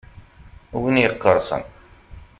Win yeqqerṣen.